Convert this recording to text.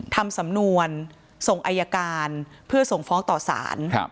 ทำสำนวนส่งอายการเพื่อส่งฟ้องต่อสาร